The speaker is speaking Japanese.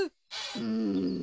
うん。